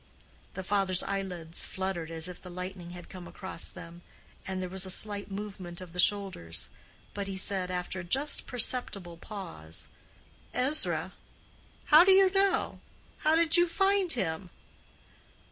The father's eyelids fluttered as if the lightning had come across them, and there was a slight movement of the shoulders. But he said, after a just perceptible pause: "Ezra? How did you know—how did you find him?"